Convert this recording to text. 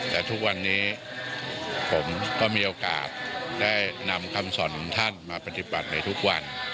แต่ทุกวันนี้ผมก็มีโอกาสได้นำคำสอนของท่านมาปฏิบัติในทุกวัน